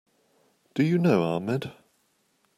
Do you know Ahmed?